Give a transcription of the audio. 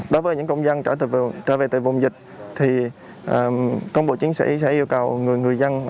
đối với những công dân trở về từ vùng dịch thì công bộ chiến sĩ sẽ yêu cầu người dân